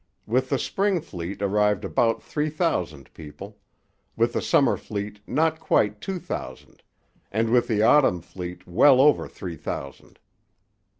With the spring fleet arrived about three thousand people; with the summer fleet not quite two thousand; and with the autumn fleet well over three thousand.